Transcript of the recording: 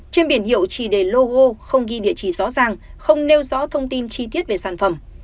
trên biển hiệu chỉ để logo không ghi địa chỉ rõ ràng không nêu rõ thông tin chi tiết về sản phẩm